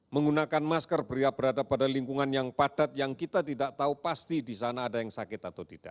menggunakan masker beriap berada pada lingkungan yang padat yang kita tidak tahu pasti di sana ada yang sakit atau tidak